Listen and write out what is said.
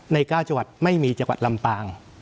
ใน๙จังหวัดไม่มีจังหวัดลำปาง